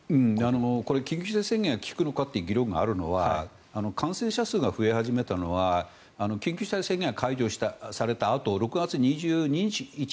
緊急事態宣言が効くのかという話が出るのは感染者数が増え始めたのは緊急事態宣言が解除されたあと６月２２日